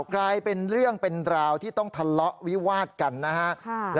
กลายเป็นเรื่องเป็นราวที่ต้องทะเลาะวิวาดกันนะฮะ